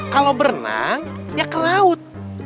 kalau berenang ya ke laut